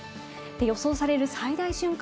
予想される最大瞬間